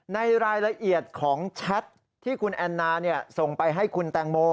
ในรายละเอียดของแชทที่คุณแอนนาส่งไปให้คุณแตงโม